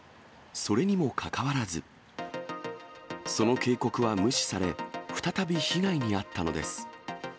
それにもかかわらず、その警告は無視され、再び被害に遭ったのです。